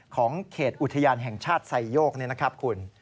ของเขตอุทยานแห่งชาติไซโยกนี่นะครับคุณ